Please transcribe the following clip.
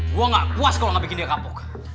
gue gak puas kalau gak bikin dia kapok